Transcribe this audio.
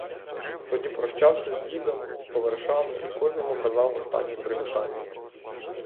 Тоді прощався з дідом, з товаришами і кожному казав останнє привітання.